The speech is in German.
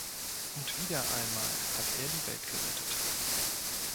Und wieder einmal hat er die Welt gerettet.